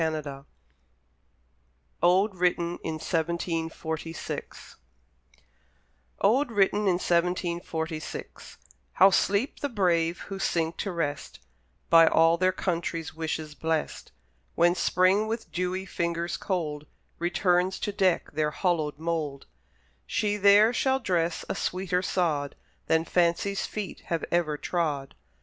Carlyle [Illustration: WATERING THE HORSES] ODE WRITTEN IN 1746 How sleep the brave who sink to rest By all their country's wishes blest! When Spring, with dewy fingers cold, Returns to deck their hallowed mould, She there shall dress a sweeter sod Than Fancy's feet have ever trod.